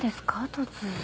突然。